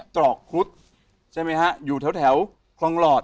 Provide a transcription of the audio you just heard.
ตรอกครุดใช่ไหมฮะไปที่ตรอกครุดอยู่แถวคลองหลอด